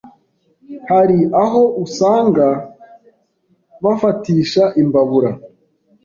Hari aho usanga bafatisha imbabura,